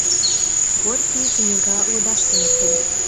Горький книга лудаш туныктен.